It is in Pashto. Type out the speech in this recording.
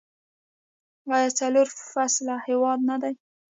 آیا څلور فصله هیواد نه دی؟